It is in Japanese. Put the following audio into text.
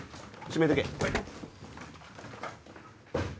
閉めてけ。